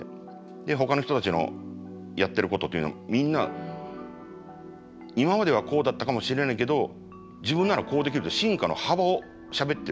ほかの人たちのやってることっていうのはみんな今まではこうだったかもしれないけど自分ならこうできるって進化の幅をしゃべってるんですね。